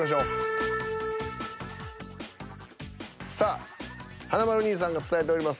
さあ華丸兄さんが伝えております。